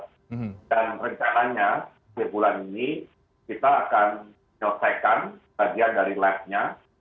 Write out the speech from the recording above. dan rencananya sebulan ini kita akan menyelesaikan bagian dari lab nya